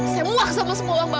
saya muak sama semua uang bapak